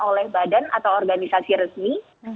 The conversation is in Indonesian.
oleh badan atau organisasi resmi